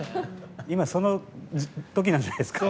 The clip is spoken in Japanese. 今その時なんじゃないですか。